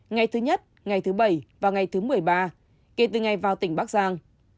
ngày thứ nhất ngày thứ bảy và ngày thứ một mươi ba kể từ ngày vào tỉnh bắc giang